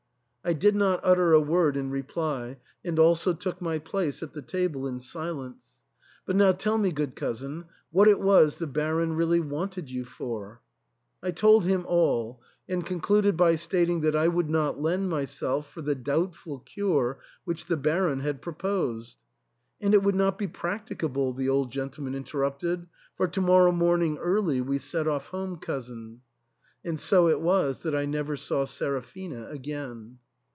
I did not utter a word in reply, and also took my place at the table in silence. " But now tell me, good cousin, what it was the Baron really wanted you for ?" I told him all, and concluded by stating that I would not lend myself for the doubtful cure which the Baron had proposed. " And it would not be practicable," the old gentleman interrupted, "for to morrow morning early we set off home, cousin." And so it was that I never saw Seraphina again.